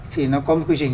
thì nó có một quy trình